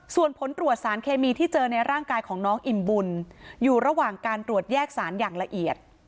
ส่วนผลตรวจสารเคมีที่เจอในร่างกายของน้องอิ่มบุญอยู่ระหว่างการตรวจแยกสารอย่างละเอียด